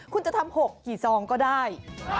คุณจะทำ๖กี่ซองก็ได้